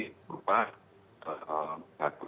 jadi berupa bagus